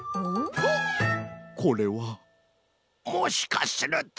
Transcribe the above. おっこれはもしかすると！